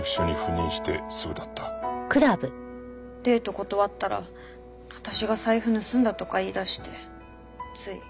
デート断ったら私が財布盗んだとか言いだしてつい。